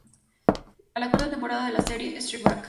Es la cuarta temporada de la serie "Strike Back".